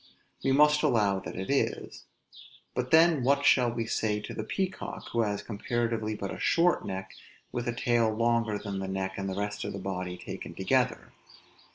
We must allow that it is. But then what shall we say to the peacock, who has comparatively but a short neck, with a tail longer than the neck and the rest of the body taken together?